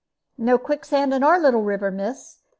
"No quicksand in our little river, miss.